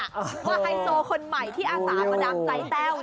ว่าไฮโซคนใหม่ที่อาสามาดามใจแต้ว